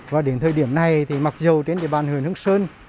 và đến thời điểm này thì mặc dù trên địa bàn huyện hương sơn